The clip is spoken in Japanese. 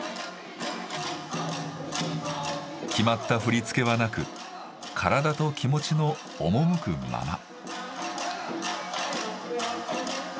決まった振り付けはなく体と気持ちのおもむくまま。